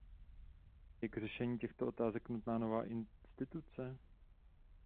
Je k řešení těchto otázek nutná nová instituce?